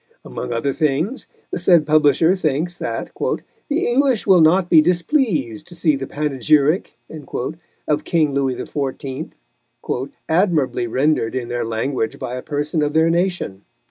Among other things, the said publisher thinks that "the English will not be displeased to see the Panegyric" of King Louis XIV. "admirably rendered in their language by a Person of their Nation."